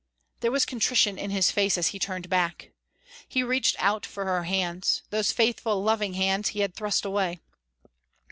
There was contrition in his face as he turned back. He reached out for her hands those faithful, loving hands he had thrust away.